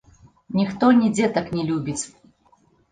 Ніхто нідзе так не любіць.